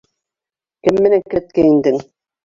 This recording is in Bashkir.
— Кем менән келәткә индең?